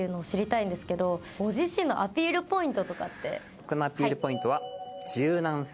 僕のアピールポイントは柔軟性。